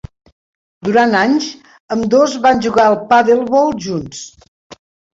Durant anys, ambdós van jugar a pàdelbol junts.